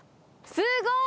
すごい！